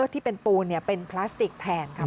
ที่เป็นปูนเป็นพลาสติกแทนค่ะ